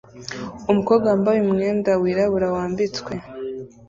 Umukobwa wambaye umwenda wirabura wambitswe